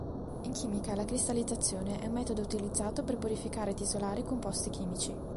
In chimica la cristallizzazione è un metodo utilizzato per purificare ed isolare composti chimici.